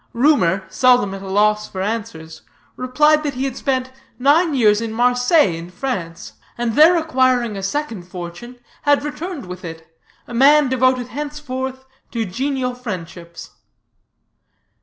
Rumor, seldom at a loss for answers, replied that he had spent nine years in Marseilles in France, and there acquiring a second fortune, had returned with it, a man devoted henceforth to genial friendships.